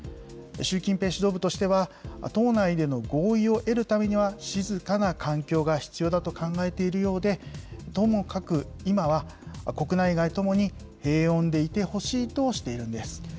習近平指導部としては、党内での合意を得るためには、静かな環境が必要だと考えているようで、ともかく今は、国内外ともに、平穏でいてほしいとしているんです。